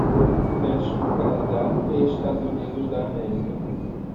México, Canadá e Estados Unidos da América.